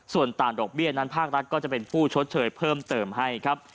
ส่วนต่างดอกเบี้ยนั้นภาครัฐก็จะเป็นผู้ชดเชยเพิ่มเติมให้ครับ